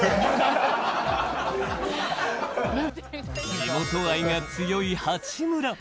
地元愛が強い八村。